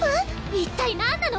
一体何なの？